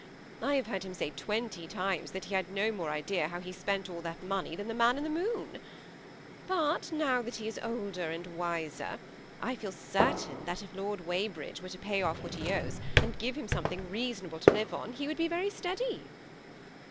I have heard him say twenty times that he had no more idea how he spent all that money, than the man in the moon. But now that he is older and wiser, I feel certain that if Lord Weybridge were to pay off what he owes, and THE SEIMI ATTACHED COUPLE. 167 give him something reasonable to live on, he would be very steady."